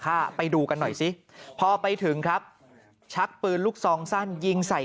ไปดูกันหน่อยสิพอไปถึงครับชักปืนลูกซองสั้นยิงใส่